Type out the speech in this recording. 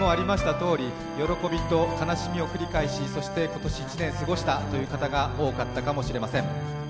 とおり喜びと悲しみを繰り返しそして今年一年過ごしたという方が多かったかもしれません。